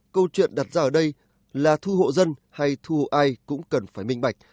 câu chuyện đặt ra ở đây là thu hộ dân hay thu ai cũng cần phải minh bạch